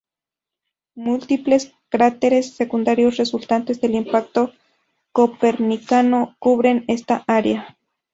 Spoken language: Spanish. Múltiples cráteres secundarios resultantes del impacto copernicano cubren este área.